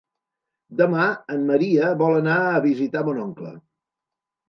Demà en Maria vol anar a visitar mon oncle.